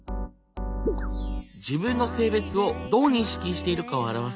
自分の性別をどう認識しているかを表す性自認。